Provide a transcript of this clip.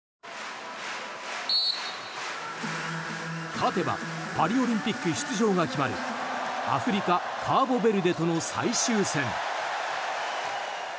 勝てばパリオリンピック出場が決まるアフリカ・カーボベルデとの最終戦。